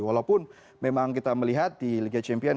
walaupun memang kita melihat di liga champion